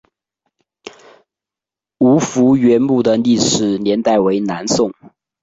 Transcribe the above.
吴福源墓的历史年代为南宋。